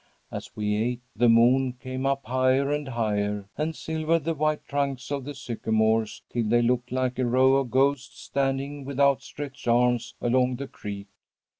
As we ate, the moon came up higher and higher, and silvered the white trunks of the sycamores till they looked like a row of ghosts standing with outstretched arms along the creek.